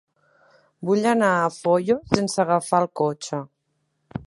Vull anar a Foios sense agafar el cotxe.